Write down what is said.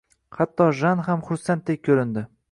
Hatto Jan ham xursanddek ko`rindi